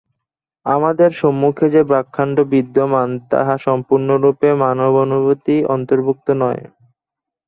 আমাদের সম্মুখে যে ব্রহ্মাণ্ড বিদ্যমান, তাহা সম্পূর্ণরূপে মানবানুভূতির অন্তর্ভুক্ত নয়।